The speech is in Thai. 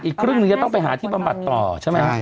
อีกครึ่งหนึ่งจะต้องไปหาที่บำบัดต่อใช่ไหม